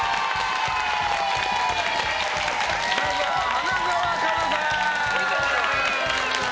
まずは花澤香菜さん！